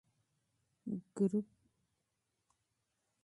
A ګروپ لرونکي د کولمو د زخم خطر لري.